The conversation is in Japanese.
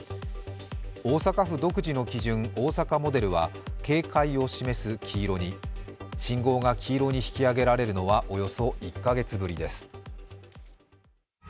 大阪府独自の基準、大阪モデルは警戒を示す黄色に、信号が黄色に引き上げられるのはおよそ１か月ぶりです。